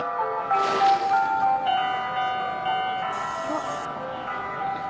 あっ。